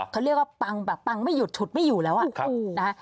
เขาเรียกว่าปังแบบปังไม่หยุดฉุดไม่อยู่แล้วอ่ะนะฮะ